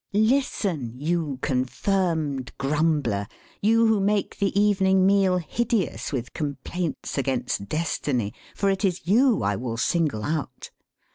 Listen, you confirmed grumbler, you who make the evening meal hideous with complaints against destiny for it is you I will single out.